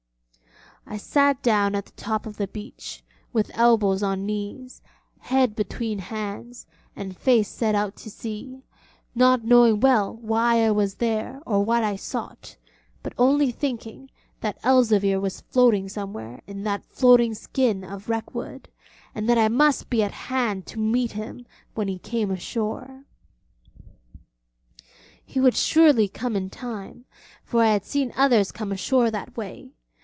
I sat down at the top of the beach, with elbows on knees, head between hands, and face set out to sea, not knowing well why I was there or what I sought, but only thinking that Elzevir was floating somewhere in that floating skin of wreck wood, and that I must be at hand to meet him when he came ashore. He would surely come in time, for I had seen others come ashore that way.